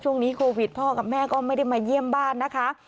ช่วงนี้โควิดพ่อกับแม่ก็ไม่ได้มาเยี่ยมบ้านนะคะ